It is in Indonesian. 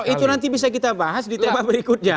itu nanti bisa kita bahas di tema berikutnya